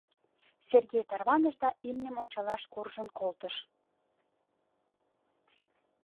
Сергей тарваныш да имньым ончалаш куржын колтыш.